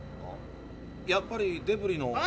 やっぱりデブリの。